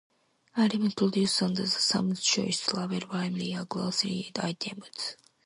Items produced under the Sam's Choice label primarily are grocery items.